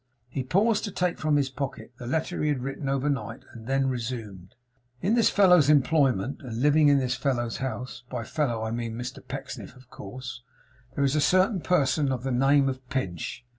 He paused to take from his pocket the letter he had written overnight, and then resumed: 'In this fellow's employment, and living in this fellow's house (by fellow, I mean Mr Pecksniff, of course), there is a certain person of the name of Pinch.